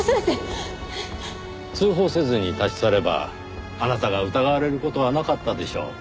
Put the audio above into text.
通報せずに立ち去ればあなたが疑われる事はなかったでしょう。